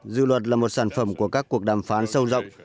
dự luật là một sản phẩm của các cuộc đàm phán sâu rộng